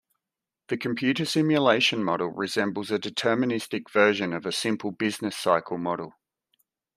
The computer simulation model resembles a deterministic version of a simple business cycle model.